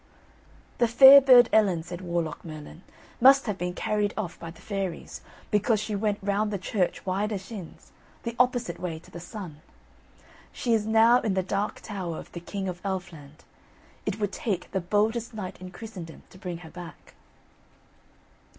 "The fair Burd Ellen," said the Warlock Merlin, "must have been carried off by the fairies, because she went round the church 'wider shins' the opposite way to the sun. She is now in the Dark Tower of the King of Elfland; it would take the boldest knight in Christendom to bring her back."